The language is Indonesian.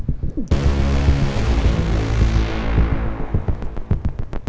mungkin gue bisa dapat petunjuk lagi disini